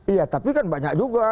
iya tapi kan banyak juga